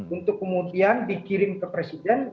untuk kemudian dikirim ke presiden